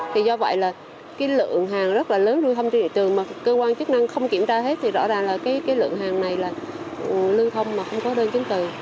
thì do vậy là cái lượng hàng rất là lớn lưu thông trên thị trường mà cơ quan chức năng không kiểm tra hết thì rõ ràng là cái lượng hàng này là lưu thông mà không có đơn chứng từ